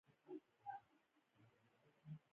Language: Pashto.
ستنېدلو مرهټیانو ته زمینه برابره کړه.